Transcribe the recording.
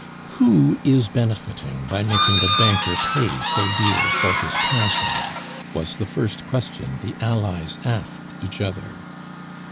"Who is benefiting by making the banker pay so dear for his passion?" was the first question the allies asked each other.